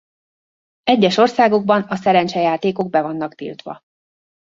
Egyes országokban a szerencsejátékok be vannak tiltva.